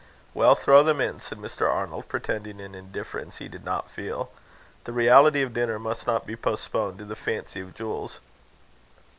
"Well, throw them in," said Mr. Arnold, pretending an indifference he did not feel. "The reality of dinner must not be postponed to the fancy of jewels."